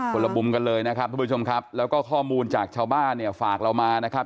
ละมุมกันเลยนะครับทุกผู้ชมครับแล้วก็ข้อมูลจากชาวบ้านเนี่ยฝากเรามานะครับ